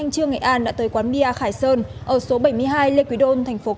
còn anh xuân bị thương